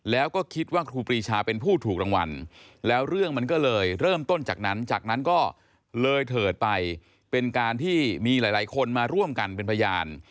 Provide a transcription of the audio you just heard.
แล้วก็คิดว่าครูปรีชาเป็นผู้ถูกรางวัลแล้วเรื่องมันก็เลยเริ่มต้นจากนั้นจากนั้นก็เลยเถิดไปเป็นการที่มีหลายคนมาร่วมกันเป็นพยาน